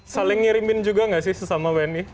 saling ngirimin juga gak sih sesama wni